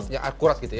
yang akurat gitu ya